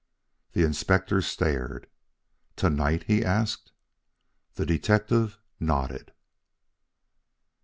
The Inspector stared. "To night?" he asked. The detective nodded.